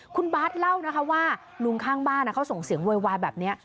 คุณบาทเล่านะคะว่าลุงข้างบ้านเขาส่งเสียงโวยวายแบบนี้